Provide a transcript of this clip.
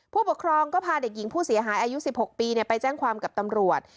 ผู้ปกครองก็พาเด็กหญิงผู้เสียหายอายุ๑๖ปีไปแจ้งความกับตำรวจ